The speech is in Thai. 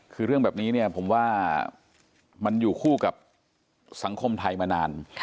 คือเรื่องแบบนี้เนี่ยผมว่ามันอยู่คู่กับสังคมไทยมานาน